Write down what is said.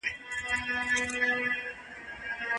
ژر مي خوشي کړ کنه موږ ته بلا وو